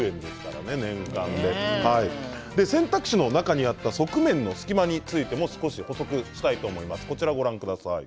選択肢の中にあった側面の隙間についても少し補足したいと思います。